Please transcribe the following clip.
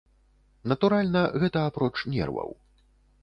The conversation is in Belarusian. Натуральна, гэта апроч нерваў.